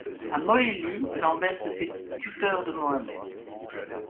A Mohéli, Lambert se fait tuteur de Mohamed.